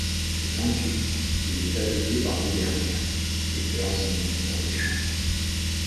Vaincu, il est aveuglé par ces dernières, et perd son don pour le chant.